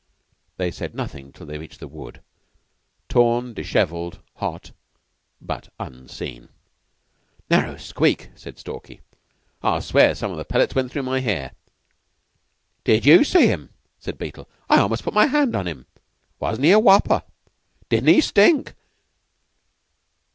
They said nothing till they reached the wood, torn, disheveled, hot, but unseen. "Narrow squeak," said Stalky. "I'll swear some of the pellets went through my hair." "Did you see him?" said Beetle. "I almost put my hand on him. Wasn't he a wopper! Didn't he stink!